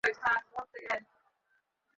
ঐ সব ভাব-খেয়ালের পারে চলে যা।